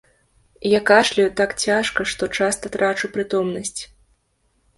Я кашляю так цяжка, што часта трачу прытомнасць.